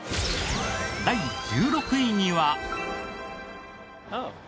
第１６位には。